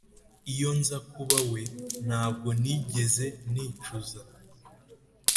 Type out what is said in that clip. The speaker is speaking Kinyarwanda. iyo nza kuba we, ntabwo nigeze nicuza,